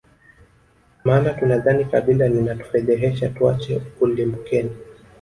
maana tunadhani kabila linatufedhehesha tuache ulimbukeni